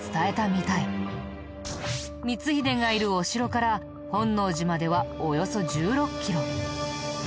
光秀がいるお城から本能寺まではおよそ１６キロ。